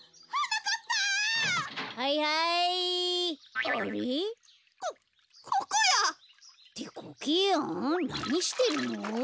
なにしてるの？